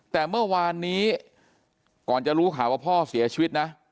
แต่เมื่อวานนี้ก่อนจะรู้ข่าวว่าพ่อเสียชีวิตนะ